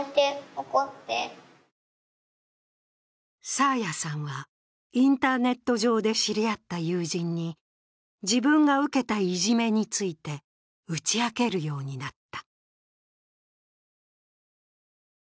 爽彩さんはインターネット上で知り合った友人に自分が受けたいじめについて、打ち明けるようになった。